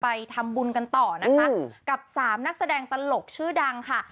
ไปทำบุญกันต่อนะคะกับสามนักแสดงตลกชื่อดังค่ะ